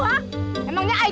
makin kenceng tiupan